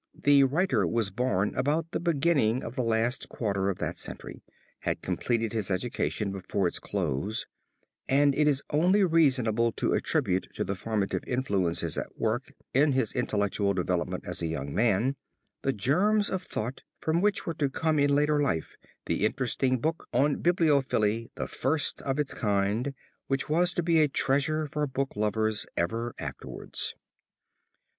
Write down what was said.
The writer was born about the beginning of the last quarter of that century, had completed his education before its close, and it is only reasonable to attribute to the formative influences at work in his intellectual development as a young man, the germs of thought from which were to come in later life the interesting book on bibliophily, the first of its kind, which was to be a treasure for book lovers ever afterwards.